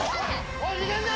おい逃げんな！